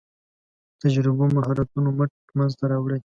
تجربو مهارتونو مټ منځ ته راوړي.